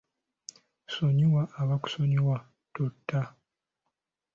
Sonyiwa abakusobya, totta.